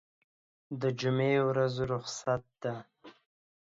دجمعې ورځ رخصت ده